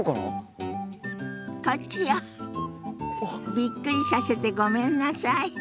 びっくりさせてごめんなさい。